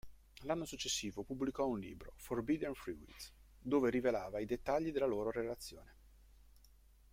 L'anno successivo pubblicò un libro, "Forbidden Fruit", dove rivelava i dettagli della loro relazione.